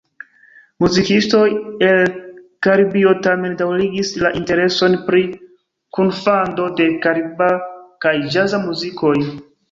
Muzikistoj el Karibio tamen daŭrigis la intereson pri kunfando de kariba kaj ĵaza muzikoj.